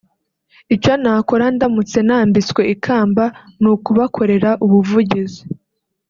Icyo nakora ndamutse nambitswe ikamba ni ukubakorera ubuvugizi